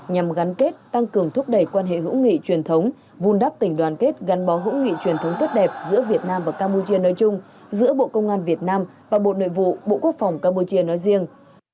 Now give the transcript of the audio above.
nhằm gắn kết tăng cường thúc đẩy quan hệ hữu nghị truyền thống vun đắp tình đoàn kết gắn bó hữu nghị truyền thống tốt đẹp giữa việt nam và campuchia nói chung giữa bộ công an việt nam và bộ nội vụ bộ quốc phòng campuchia nói riêng